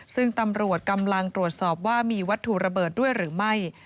ซึ่งตำรวจกำลังตรวจสอบว่ามีวัตถุระเบิดด้วยหรือไม่